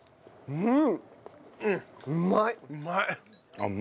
うん！